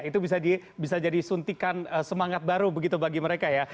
itu bisa jadi suntikan semangat baru begitu bagi mereka ya